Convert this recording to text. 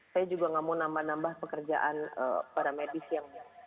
saya juga nggak mau nambah nambah pekerjaan para medis yang